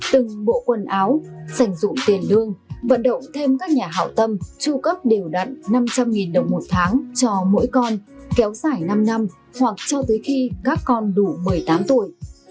từng bộ quần áo sảnh dụng tiền lương vận động thêm các nhà hảo tâm tru cấp đều đặn năm trăm linh đồng một tháng cho mỗi con kéo xảy năm năm hoặc cho tới khi các con đủ một mươi tám tuổi